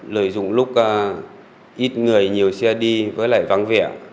lợi dụng lúc ít người nhiều xe đi với lại vắng vẻ